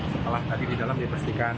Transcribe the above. setelah tadi di dalam di persiapkan